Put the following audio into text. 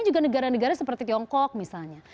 juga negara negara seperti tiongkok misalnya